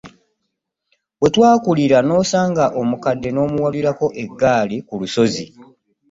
We twakulira ng'osanga omukadde n'omuwalulirako eggaali ku kasozi.